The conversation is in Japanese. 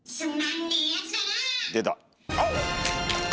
出た。